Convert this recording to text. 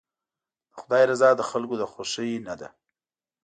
د خدای رضا د خلکو د خوښۍ نه ده.